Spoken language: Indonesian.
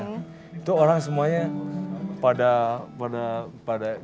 itu orang semuanya pada pada pada